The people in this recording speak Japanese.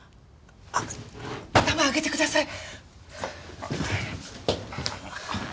あっ頭上げてください。